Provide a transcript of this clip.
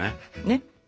ねっ。